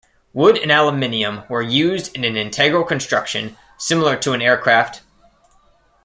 Wood and aluminium were used in an integral construction, similar to an aircraft.